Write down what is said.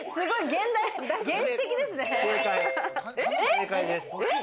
正解です。